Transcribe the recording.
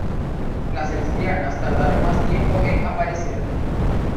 Las lesbianas tardaron más tiempo en aparecer.